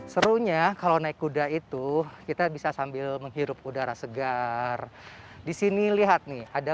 serunya kalau naik kuda itu kita bisa sambil menghirup udara segar disini lihat nih ada